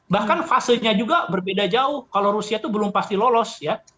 bahkan fasenya juga berbeda jauh kalau rusia itu belum pasti lolos ya